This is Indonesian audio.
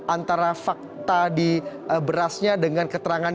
antara fakta di berasnya dengan keterangan yang anda